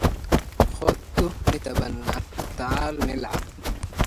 إذا ابن خيار بدا